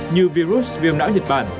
như virus viêm não nhật bản